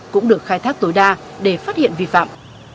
cũng được khai thác tối đa để phát hiện vi phạm